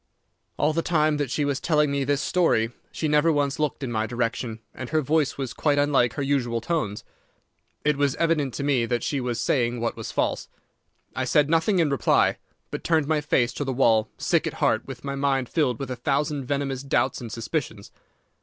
"All the time that she was telling me this story she never once looked in my direction, and her voice was quite unlike her usual tones. It was evident to me that she was saying what was false. I said nothing in reply, but turned my face to the wall, sick at heart, with my mind filled with a thousand venomous doubts and suspicions.